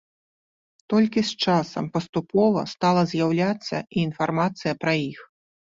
Толькі з часам паступова стала з'яўляцца і інфармацыя пра іх.